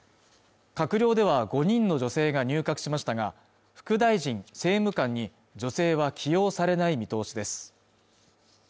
閣僚では５人の女性が入閣しましたが副大臣・政務官に女性は起用されない見通しです